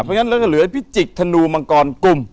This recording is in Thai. เพราะฉะนั้นเราจะเหลือพิจิกธนูมังกรกลุ่ม